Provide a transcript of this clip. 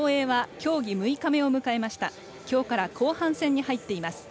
きょうから後半戦に入っています。